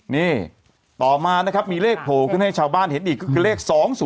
นี่ต่อมานะครับมีเลขโผล่ขึ้นให้ชาวบ้านเห็นอีกก็คือเลข๒๐